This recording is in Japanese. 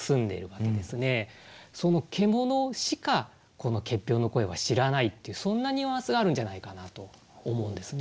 その獣しかこの結氷の声は知らないっていうそんなニュアンスがあるんじゃないかなと思うんですね。